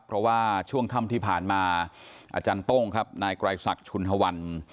เพราะว่าช่วงค่ำที่ผ่านมาอาจารย์โต้งครับนายไกรศักดิ์ชุนฮวัน